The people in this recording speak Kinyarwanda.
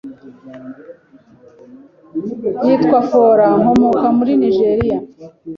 Nitwa Fola, nkomoka muri Nigeria